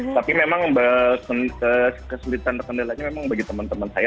tapi memang kesulitan dan kendalanya memang bagi teman teman saya